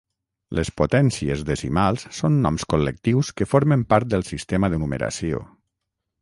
Les potències decimals són noms col·lectius que formen part del sistema de numeració.